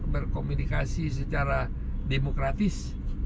berkomunikasi secara demokratis